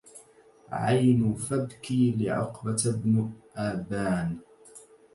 عين فابكي لعقبة بن أبان